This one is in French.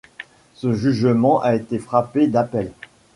Ce jugement a été frappé d'appel.